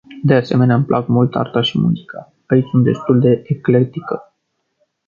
De asemenea, îmi plac mult arta și muzica, aici sunt destul de eclectică.